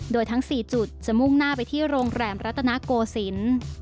โดยทั้ง๔จุดจะมุ่งหน้าไปที่โรงแรมรัตนโกศิลป์